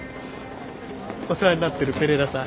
お世話になってるペレラさん。